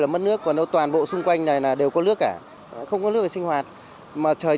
là mất nước còn nó toàn bộ xung quanh này là đều có nước cả không có nước để sinh hoạt mà trời